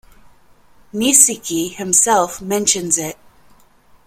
Niesiecki himself mentions it.